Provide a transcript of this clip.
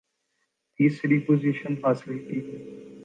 تیسری پوزیشن حاصل کی